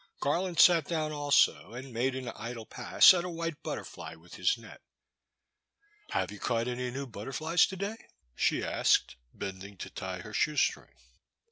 Garland sat down also, and made an idle pass at a white butterfly with his net. " Have you caught any new butterflies to day?" she asked, bending to tie her shoe string.